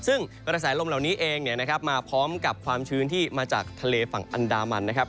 ซึ่งกระแสลมเหล่านี้เองมาพร้อมกับความชื้นที่มาจากทะเลฝั่งอันดามันนะครับ